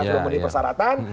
sudah meni persaratan